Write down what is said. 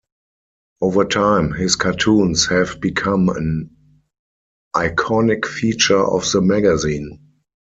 Over time, his cartoons have become an iconic feature of the magazine.